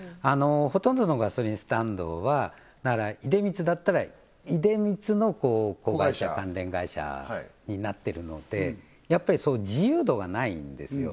ほとんどのガソリンスタンドはだから出光だったら出光の子会社関連会社になっているのでやっぱり自由度がないんですよ